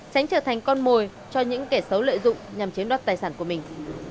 tránh trở thành con mồi cho những kẻ xấu lợi dụng nhằm chiếm đoạt tài sản của mình